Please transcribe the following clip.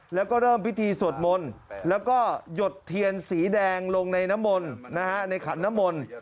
แล้วก็เริ่มพิธีสวดมนต์แล้วก็หยดเทียนสีแดงลงในน้ำมนต์ในขันน้ำมนต์